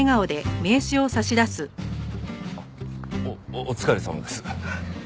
おお疲れさまです。